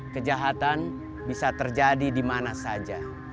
kejahatan bisa terjadi dimana saja